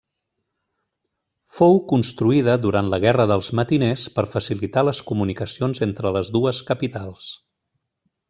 Fou construïda durant la Guerra dels Matiners per facilitar les comunicacions entre les dues capitals.